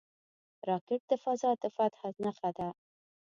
راکټ د فضا د فتح نښه ده